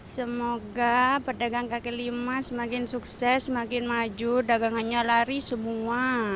semoga pedagang kaki lima semakin sukses semakin maju dagangannya lari semua